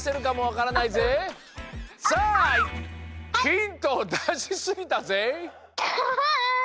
ヒントをいいすぎたぜ。